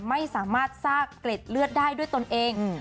ไม่สามารถซากเกร็ดเลือดได้ด้วยตนเอง